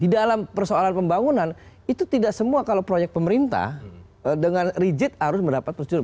di dalam persoalan pembangunan itu tidak semua kalau proyek pemerintah dengan rigid harus mendapat prosedur